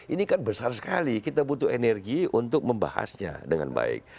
ini kan besar sekali kita butuh energi untuk membahasnya dengan baik